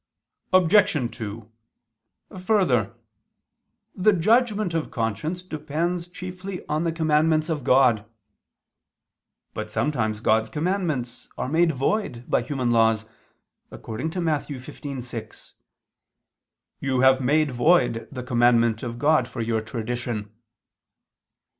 Obj. 2: Further, the judgment of conscience depends chiefly on the commandments of God. But sometimes God's commandments are made void by human laws, according to Matt. 15:6: "You have made void the commandment of God for your tradition."